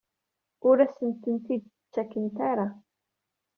Ur asent-tent-id-ttakent ara?